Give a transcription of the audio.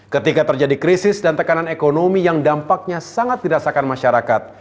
ketika terjadi krisis dan tekanan ekonomi yang dampaknya sangat dirasakan masyarakat